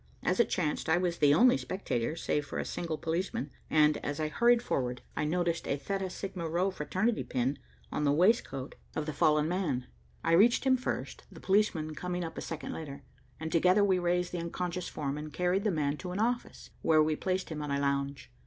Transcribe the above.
As it chanced, I was the only spectator, save for a single policeman, and, as I hurried forward, I noticed a Theta Sigma Rho fraternity pin on the waistcoat of the fallen man. I reached him first, the policeman coming up a second later, and together we raised the unconscious form and carried the man to an office, where we placed him on a lounge.